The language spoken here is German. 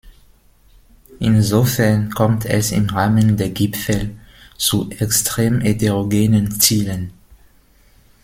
Insofern kommt es im Rahmen der Gipfel zu extrem heterogenen Zielen.